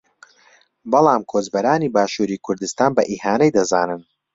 بەڵام کۆچبەرانی باشووری کوردستان بە ئیهانەی دەزانن